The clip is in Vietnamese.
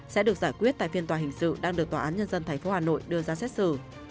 sẽ được giải quyết tại phiên tòa hình sự đang được tòa án nhân dân tp hà nội đưa ra xét xử